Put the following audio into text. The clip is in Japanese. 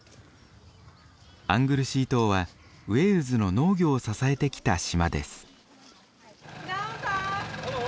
アングルシー島はウェールズの農業を支えてきた島です。